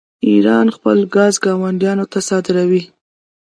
ایران خپل ګاز ګاونډیانو ته صادروي.